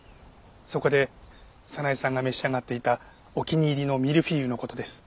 そこで早苗さんが召し上がっていたお気に入りのミルフィーユの事です。